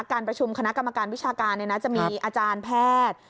การประชุมคณะกรรมการวิชาการจะมีอาจารย์แพทย์